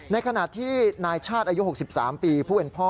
ในขณะที่นายชาติอายุ๖๓ปีผู้เป็นพ่อ